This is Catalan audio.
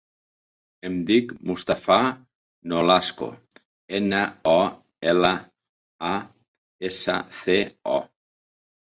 Em dic Mustafa Nolasco: ena, o, ela, a, essa, ce, o.